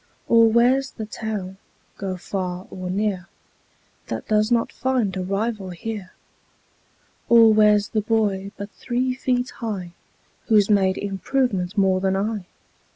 Or where's the town, go far or near, That does not find a rival here? Or where's the boy but three feet high Who's made improvement more than I?